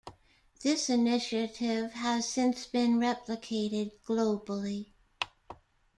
This initiative has since been replicated globally.